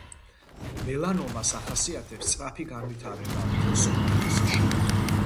მელანომას ახასიათებს სწრაფი განვითარება მთელს ორგანიზმში.